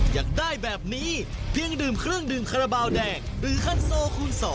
อยากได้แบบนี้เพียงดื่มเครื่องดื่มคาราบาลแดงหรือคันโซคูณ๒